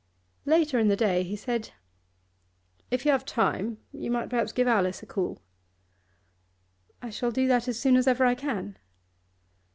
Later in the day he said: 'If you have time, you might perhaps give Alice a call.' 'I shall do that as soon as ever I can.